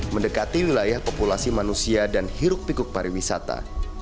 mendekati wilayah populasi manusia dan hiruk pikuk pariwisata